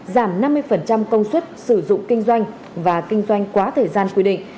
giảm năm mươi công suất sử dụng kinh doanh và kinh doanh quá thời gian quy định